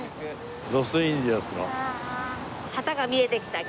旗が見えてきた。